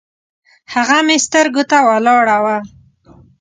هغه مې سترګو ته ولاړه وه